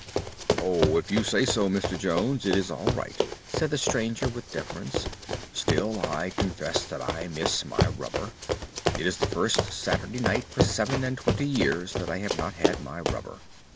"Oh, if you say so, Mr. Jones, it is all right," said the stranger with deference. "Still, I confess that I miss my rubber. It is the first Saturday night for seven and twenty years that I have not had my rubber."